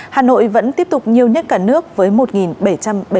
hà nội vẫn tiếp tục nhiều nhất cả nước với một bảy trăm bảy mươi bốn ca